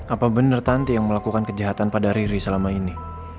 apa benar tanti yang melakukan kejahatan pada riri selama ini